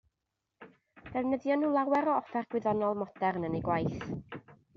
Defnyddion nhw lawer o offer gwyddonol modern yn eu gwaith.